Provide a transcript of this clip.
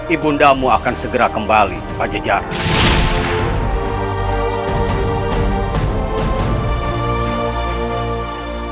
ibu bunda akan segera kembali pada jalan